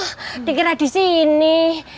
ah dikira disini